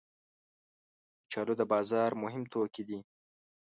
کچالو د بازار مهم توکي دي